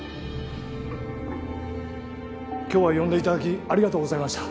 今日は呼んでいただき、ありがとうございました。